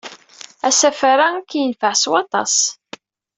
Asafar-a ad k-yenfeɛ s waṭas.